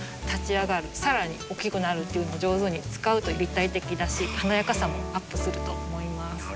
立ち上がるさらに大きくなるっていうの上手に使うと立体的だし華やかさもアップすると思います。